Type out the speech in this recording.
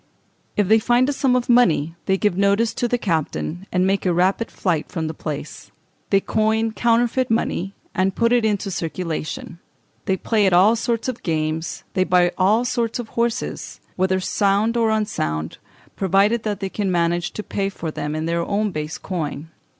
If they find a sum of money they give notice to the captain, and make a rapid flight from the place. They coin counterfeit money, and put it into circulation. They play at all sorts of games; they buy all sorts of horses; whether sound or unsound, provided they can manage to pay for them in their own base coin.